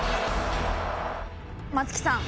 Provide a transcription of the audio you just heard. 松木さん